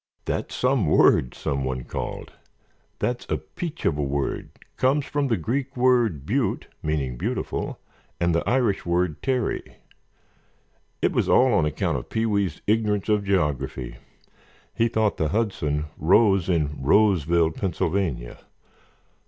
"That's some word," someone called. "That's a peach of a word, comes from the Greek word Bute, meaning beautiful, and the Irish word Terry. It was all on account of Pee wee's ignorance of geography. He thought the Hudson rose in Roseville, Pennsylvania."